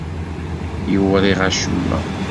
Yewriɣ acemma.